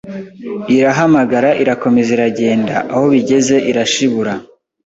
Irahamagara Irakomeza iragenda Aho bigeze irashibura,